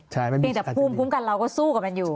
เพียงแต่ภูมิคุ้มกันเราก็สู้กับมันอยู่